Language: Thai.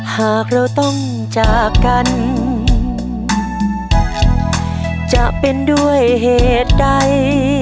หากเราต้องจากกันจะเป็นด้วยเหตุใด